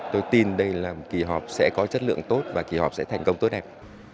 tôi tin đây là một kỳ họp sẽ có chất lượng tốt và kỳ họp sẽ thành công tốt đẹp